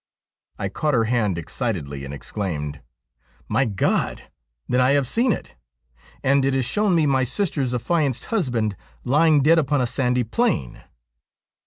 I caught her hand excitedly and exclaimed :' My God ! then I have seen it ; and it has shown me my sister's affianced husband lying dead upon a sandy plain.'